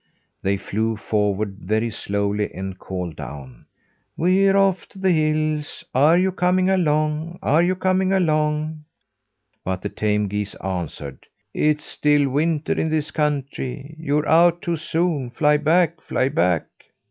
They flew forward very slowly and called down: "We're off to the hills. Are you coming along? Are you coming along?" But the tame geese answered: "It's still winter in this country. You're out too soon. Fly back! Fly back!"